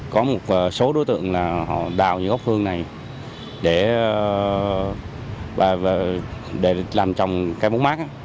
có một số đối tượng đào những gốc hương này để làm trồng cây bốn mát